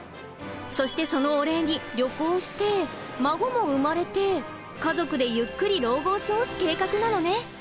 そしてそのお礼に旅行して孫も生まれて家族でゆっくり老後を過ごす計画なのね。